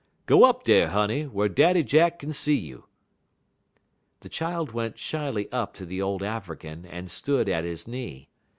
Go up dar, honey, whar Daddy Jack kin see you." The child went shyly up to the old African and stood at his knee.